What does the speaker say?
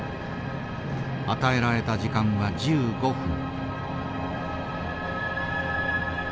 与えられた時間は１５分。